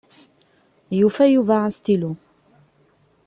Yufa Yuba astilu.